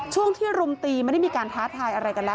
ช่วงที่รุมตีไม่ได้มีการท้าทายอะไรกันแล้ว